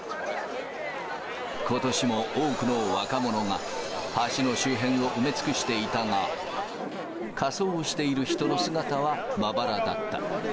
ことしも多くの若者が、橋の周辺を埋め尽くしていたが、仮装をしている人の姿はまばらだった。